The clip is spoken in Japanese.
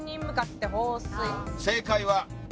正解は。